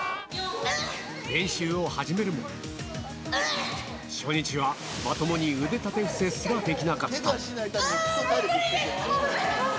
練習を始めるも、初日はまともに腕立て伏せすらできなかった。